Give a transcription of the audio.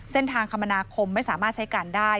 เส้นทางคำนาคมไม่สามารถใช้การได้